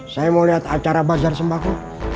saya mau lihat acara bazar sembako